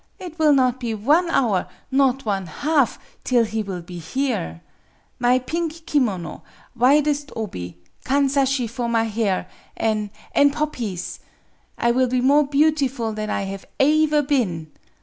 It will not be one hour not one half till he will be here. My pink kimono widest obi kanzashi for my hair an' poppies. I will be more beautiful than I have aever been.